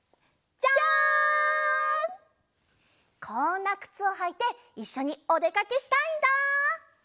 こんなくつをはいていっしょにおでかけしたいんだ。